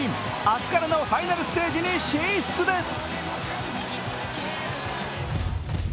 明日からのファイナルステージに進出です。